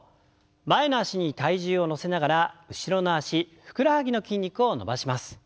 前の脚に体重を乗せながら後ろの脚ふくらはぎの筋肉を伸ばします。